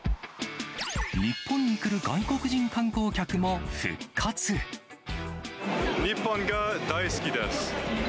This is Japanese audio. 日本に来る外国人観光客も復日本が大好きです。